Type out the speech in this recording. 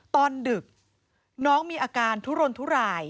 ดึกน้องมีอาการทุรนทุราย